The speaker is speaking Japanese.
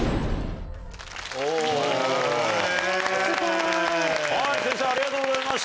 すごい。